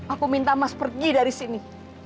aku minta mas pergi dari sini